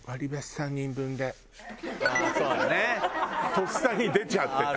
とっさに出ちゃってた。